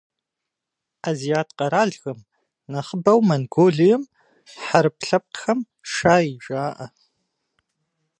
Азиат къэралхэм, нэхъыбэу Монголием, хьэрып лъэпкъхэм - «шай» жаӏэ.